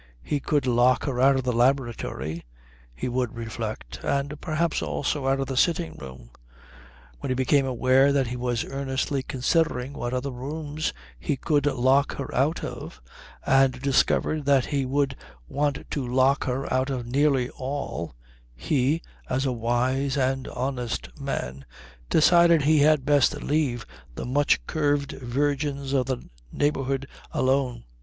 He could lock her out of the laboratory, he would reflect, and perhaps also out of the sitting room.... When he became aware that he was earnestly considering what other rooms he could lock her out of, and discovered that he would want to lock her out of nearly all, he, as a wise and honest man, decided he had best leave the much curved virgins of the neighbourhood alone.